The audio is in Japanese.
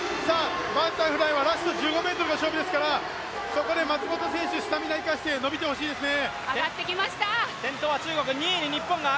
バタフライはラスト１５ｍが勝負ですからそこで松元選手、スタミナ生かして伸びてきてほしいですね。